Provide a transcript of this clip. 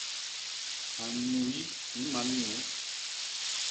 A nyuyi kii man nyuu.